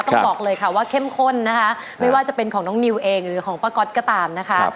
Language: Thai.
ต้องบอกเลยค่ะว่าเข้มข้นนะคะไม่ว่าจะเป็นของน้องนิวเองหรือของป้าก๊อตก็ตามนะคะ